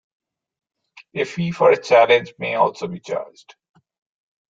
A fee for a challenge may also be charged.